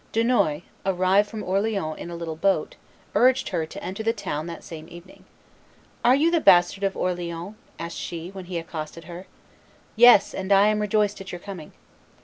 Dunois, arrived from Orleans in a little boat, urged her to enter the town that same evening. "Are you the bastard of Orleans?" asked she, when he accosted her. "Yes; and I am rejoiced at your coming."